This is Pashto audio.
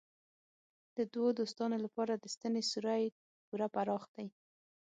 د دوو دوستانو لپاره د ستنې سوری پوره پراخ دی.